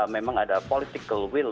memang ada political will